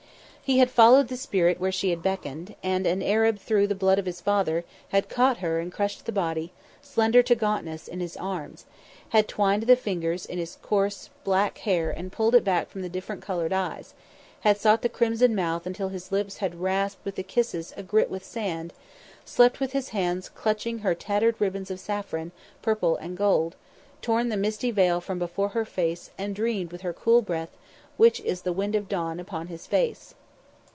He had followed the Spirit where she had beckoned, and, an Arab through the blood of his father, had caught her and crushed the body, slender to gauntness, in his arms; had twined his fingers in the coarse, black hair and pulled it back from the different coloured eyes; had sought the crimson mouth until his lips had rasped with the kisses a grit with sand; slept with his hands clutching her tattered robes of saffron, purple and of gold; torn the misty veil from before her face and dreamed with her cool breath, which is the wind of dawn, upon his face.